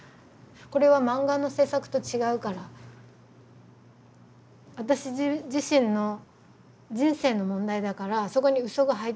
これは漫画の制作と違うから私自身の人生の問題だからそこに嘘が入ってはいけない。